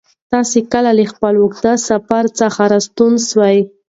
تاسې کله له خپل اوږد سفر څخه راستانه سوئ؟